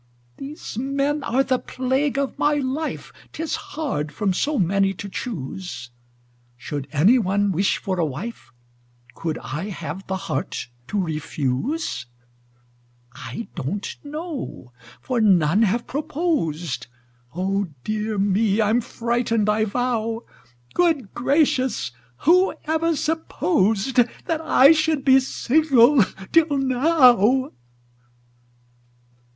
These men are the plague of my life: 'Tis hard from so many to choose! Should any one wish for a wife, Could I have the heart to refuse? I don't know for none have proposed Oh, dear me! I'm frightened, I vow! Good gracious! who ever supposed That I should be single till now?